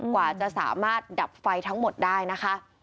กว่าจะสามารถดับไฟทั้งหมดได้นะคะ